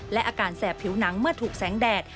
และอาการแสบผิวหนังเมื่อถูกแสงแดด